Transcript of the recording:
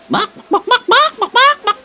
bak bak bak bak bak bak bak